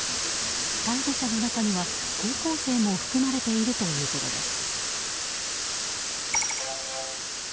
逮捕者の中には、高校生も含まれているということです。